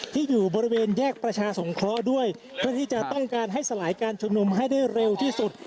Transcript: ที่อยู่บริเวณแยกประชาสงเคราะห์ด้วยเพื่อที่จะต้องการให้สลายการชุมนุมให้ได้เร็วที่สุด